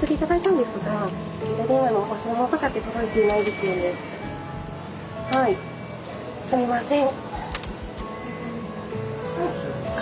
すみません。